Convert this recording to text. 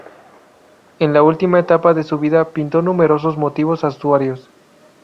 En la última etapa de su vida pintó numerosos motivos asturianos.